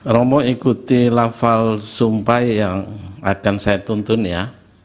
romo ikuti lafal sumpah yang akan saya tuntun ya